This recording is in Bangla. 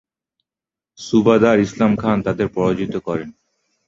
সুবাদার ইসলাম খান তাদের পরাজিত করেন।